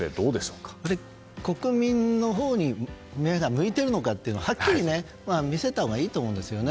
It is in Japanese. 国民のほうに目が向いているのかというのははっきり見せたほうがいいと思うんですよね。